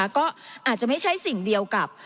ก็อาจจะไม่ใช่สิ่งเดียวกับ